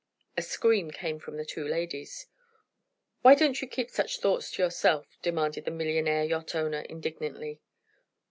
A scream came from the two ladies. "Why don't you keep such thoughts to yourself?" demanded the millionaire yacht owner, indignantly.